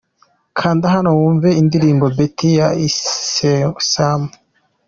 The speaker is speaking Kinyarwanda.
Kanda hano wumve indirimbo’Betty ya EeSam .